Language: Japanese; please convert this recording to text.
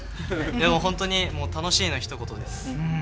でも本当に、楽しいのひと言です。